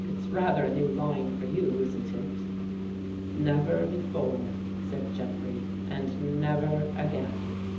It's rather a new line for you, isn't it? "" Never before," said Jeffrey, and never again!